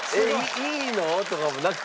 「いいの？」とかもなく。